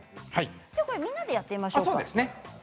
みんなでやってみましょう。